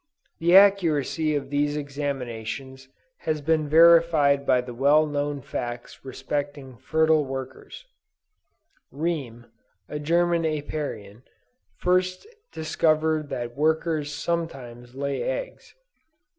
The accuracy of these examinations has been verified by the well known facts respecting fertile workers. Riem, a German Apiarian, first discovered that workers sometimes lay eggs.